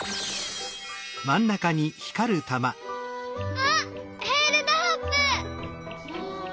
あっえーるドロップ！